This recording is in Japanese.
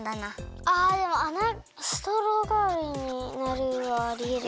あでもあなストローがわりになるはありえるかも。